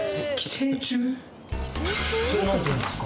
それなんていうんですか？